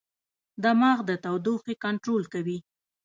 دماغ د تودوخې کنټرول کوي.